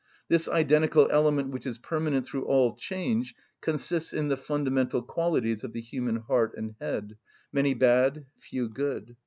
This identical element which is permanent through all change consists in the fundamental qualities of the human heart and head—many bad, few good.